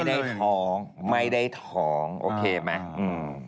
ได้ท้องไม่ได้ท้องโอเคไหมอืม